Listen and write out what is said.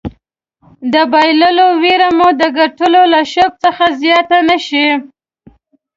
د بایللو ویره مو د ګټلو له شوق څخه زیاته نه شي.